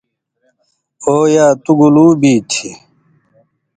”او یا تُو گُلُو بی تھی“